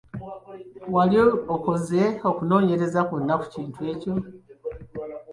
Wali okoze okunoonyereza kwonna ki kintu ekyo?